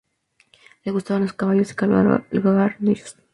Le gustan los caballos y cabalgar en ellos.